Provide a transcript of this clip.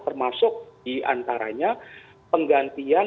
termasuk di antaranya penggantian